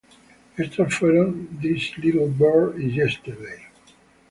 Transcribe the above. Estos fueron "This Little Bird" y "Yesterday".